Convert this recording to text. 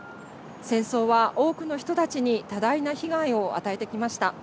戦争は多くの人たちに多大な被害を与えてきました。